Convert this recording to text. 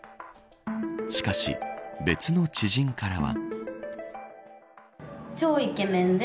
しかし、別の知人からは。